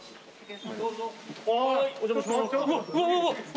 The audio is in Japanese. どうぞはいお邪魔します